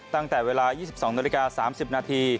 ตั้งแต่เวลา๒๒น๓๐น